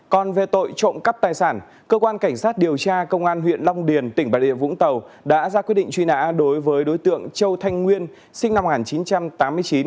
còn về tội trộm cắp tài sản cơ quan cảnh sát điều tra công an huyện long điền tỉnh bà địa vũng tàu đã ra quyết định truy nã đối với đối tượng châu thanh nguyên sinh năm một nghìn chín trăm tám mươi chín